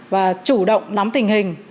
và chủ động nắm tình hình